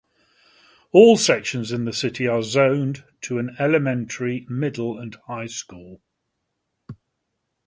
All sections in the city are zoned to an elementary, middle, and high school.